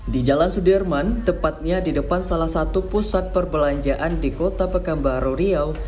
di jalan sudirman tepatnya di depan salah satu pusat perbelanjaan di kota pekanbaru riau